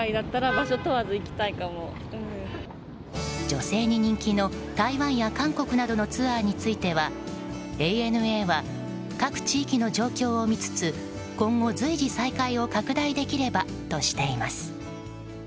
女性に人気の、台湾や韓国などのツアーについてはＡＮＡは各地域の状況を見つつ今後、随時再開を拡大できればとしています。